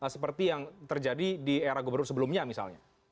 seperti yang terjadi di era gubernur sebelumnya misalnya